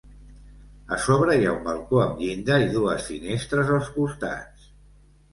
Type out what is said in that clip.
A sobre hi ha un balcó amb llinda i dues finestres als costats.